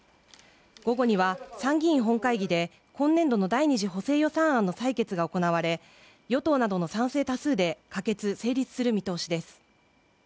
午後には参議院本会議で今年度の第２次補正予算案の採決が行われ与党などの賛成多数で可決成立する見通しです